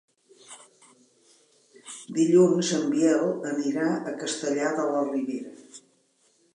Dilluns en Biel anirà a Castellar de la Ribera.